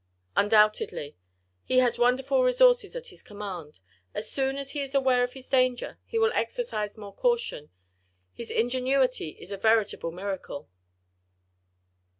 "Undoubtedly. He has wonderful resources at his command. As soon as he is aware of his danger he will exercise more caution: his ingenuity is a veritable miracle."